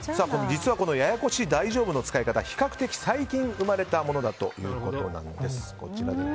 実はこのややこしい大丈夫の使い方は比較的、最近生まれたということなんです。